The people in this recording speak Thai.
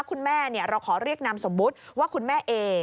คุณแม่เราขอเรียกนามสมมุติว่าคุณแม่เอ